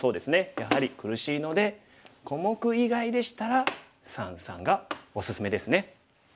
やはり苦しいので小目以外でしたら三々がおすすめですね。